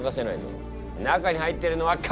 中に入ってるのは蚊だ！